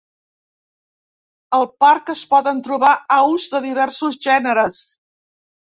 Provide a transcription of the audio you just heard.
Al parc es poden trobar aus de diversos gèneres.